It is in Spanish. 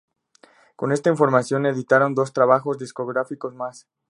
Con esta formación, editaron dos trabajos discográficos más.